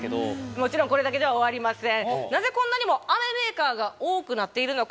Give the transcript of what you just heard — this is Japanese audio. もちろんこれだけでは終わりません。